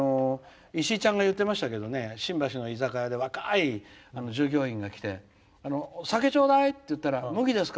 石井ちゃんが言ってましたけど新橋の居酒屋で若い従業員が来て酒頂戴っていったら麦ですか？